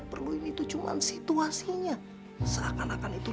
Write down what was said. biar lo bisa kesini seneng seneng sama ratu